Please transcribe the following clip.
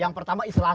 yang pertama islas